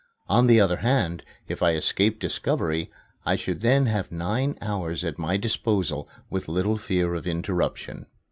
On the other hand, if I escaped discovery, I should then have nine hours at my disposal with little fear of interruption.